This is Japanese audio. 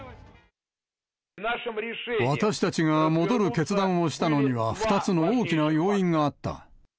私たちが戻る決断をしたのには２つの大きな要因があった。